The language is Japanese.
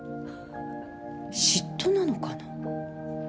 嫉妬なのかな？